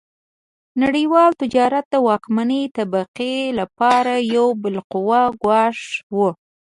نړیوال تجارت د واکمنې طبقې لپاره یو بالقوه ګواښ و.